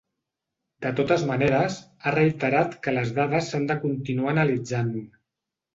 De totes maneres, ha reiterat que les dades s’han de continuar analitzant.